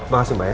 makasih mbak ya